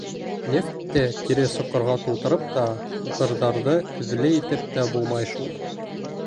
Нефтте кире соҡорға тултырып та, һуҡырҙарҙы күҙле итеп тә булмай шул.